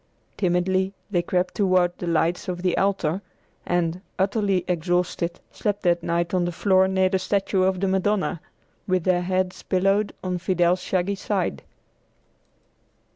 Timidly they crept toward the lights of the altar, and, utterly exhausted, slept that night on the floor near the statue of the Madonna, with their heads pillowed on Fidel's shaggy side.